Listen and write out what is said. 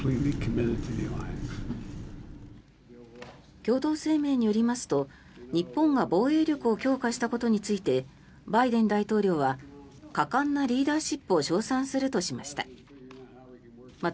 共同声明によりますと日本が防衛力を強化したことについてバイデン大統領は果敢なリーダーシップを称賛するとしました。